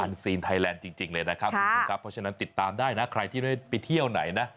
อันซีนไทยแลนด์จริงเลยนะครับติดตามได้นะใครที่จะได้ไปเที่ยวไหนนะ